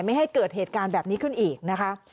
ไม่ให้เกิดเหตุการณ์แบบนี้ขึ้นอีกนะคะ